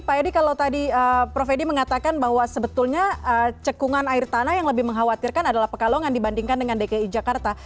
pak edi kalau tadi prof edi mengatakan bahwa sebetulnya cekungan air tanah yang lebih mengkhawatirkan adalah pekalongan dibandingkan dengan dki jakarta